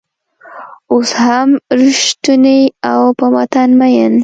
اوس هم رشتونی او په وطن مین